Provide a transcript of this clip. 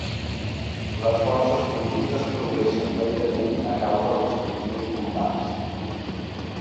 Les forces conjuntes progressen lentament a causa dels continus combats.